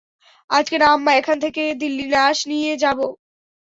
আজকে না আম্মা এখান থেকে দিল্লি লাশ নিয়ে যাবো!